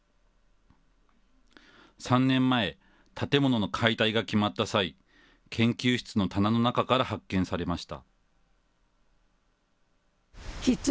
３年前、建物の解体が決まった際、研究室の棚の中から発見されました。